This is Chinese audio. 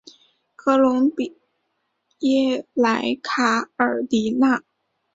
科隆比耶莱卡尔迪纳。